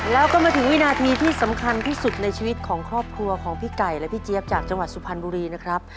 แล้วก็มาถึงวินาทีที่สำคัญที่สุดในชีวิตของครอบครัวของพี่ไก่และพี่เจี๊ยบจากจังหวัดสุพรรณบุรีนะครับ